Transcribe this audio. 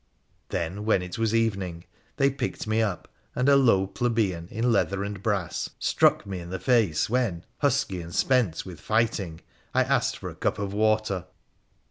Then, when it was evening, they picked me up, and a low plebeian in leather and brass struck me in the face when, husky and spent with fighting, I asked for a cup of water.